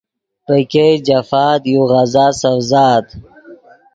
پے کئے جفآت یو غزا سڤزآت